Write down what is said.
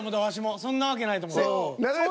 そんなわけないと思った。